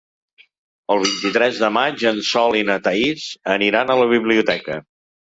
El vint-i-tres de maig en Sol i na Thaís aniran a la biblioteca.